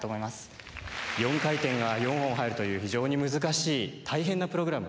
４回転が４本入るという非常に難しい大変なプログラム